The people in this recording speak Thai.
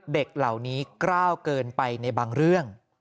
เด็กเหล่านี้กล้าวเกินไปในบางเรื่อง